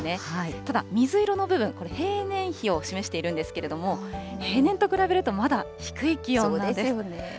ただ、水色の部分、これ、平年比を示しているんですけれども、平年と比べるとまだ低い気温なんです。